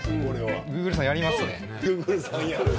グーグルさん、やりますね。